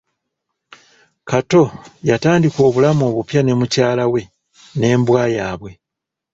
Kato yatandika obulamu obupya ne mukyala we n'embwa yabwe.